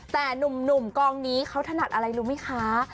แต่หนุ่มกองนี้เขาถนัดอะไรรู้ไหมคะ